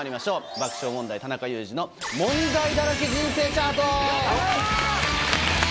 爆笑問題・田中裕二の問題だらけ人生チャート。